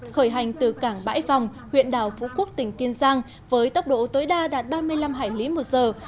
khởi hành từ cảng bãi vòng huyện đảo phú quốc tỉnh kiên giang với tốc độ tối đa đạt ba mươi năm hải lý một giờ